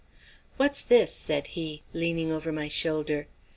"What's this?" said he, leaning over my shoulder.